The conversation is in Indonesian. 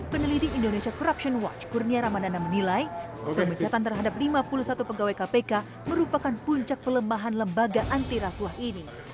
peneliti indonesia corruption watch kurnia ramadana menilai pemecatan terhadap lima puluh satu pegawai kpk merupakan puncak pelemahan lembaga antirasuah ini